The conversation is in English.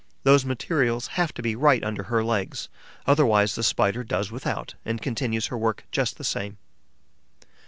Those materials have to be right under her legs; otherwise the Spider does without and continues her work just the same.